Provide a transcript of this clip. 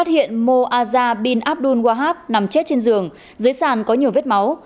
hiện moazah bin abdul wahab nằm chết trên giường dưới sàn có nhiều vết máu